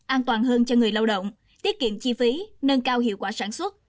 an toàn hơn cho người lao động tiết kiệm chi phí nâng cao hiệu quả sản xuất